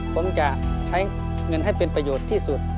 ผมจะใช้เงินให้เป็นประโยชน์ที่สุด